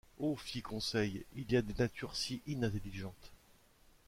Oh ! fit Conseil, il y a des natures si inintelligentes !…